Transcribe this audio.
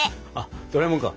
ドラえもんか。